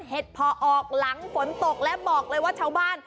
เห็ดพอออกหลังฝนตกและบอกเลยว่าชาวบ้าน